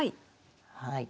はい。